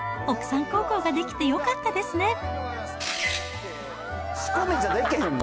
奥さん孝行ができてよかったですね。